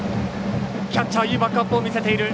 キャッチャーいいバックアップを見せている。